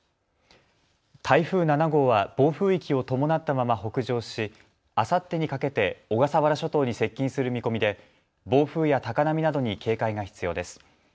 台風７号は暴風域を伴ったまま北上し、あさってにかけて小笠原諸島に接近する見込みで暴風や高波などに警戒が必要です。